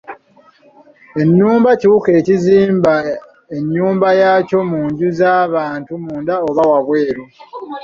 Ennumba kiwuka ekizimba ennyumba yaakyo mu nju z'abantu, munda oba wabweru.